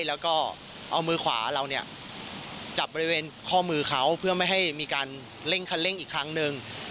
แล้วก็เอามือขวาเราเนี่ยจับบริเวณข้อมือเขาเพื่อไม่ให้มีการเร่งคันเร่งอีกครั้งหนึ่ง